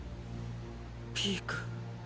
ピーク。